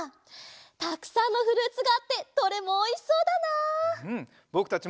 たくさんのフルーツがあってどれもおいしそうだな！